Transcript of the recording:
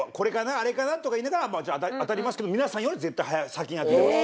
あれかな？とか言いながら当たりますけど皆さんより絶対先に当てます。